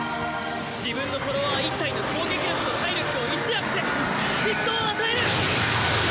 自分のフォロワー１体の攻撃力と体力を１上げて疾走を与える！